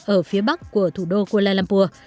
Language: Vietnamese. ở phía bắc của thủ đô kuala lumpur